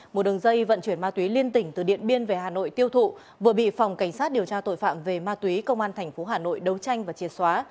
một đường dây vận chuyển ma túy liên tỉnh từ điện biên về hà nội tiêu thụ vừa bị phòng cảnh sát điều tra tội phạm về ma túy công an tp hà nội đấu tranh và triệt xóa